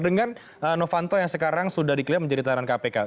dengan novanto yang sekarang sudah diklaim menjadi tahanan kpk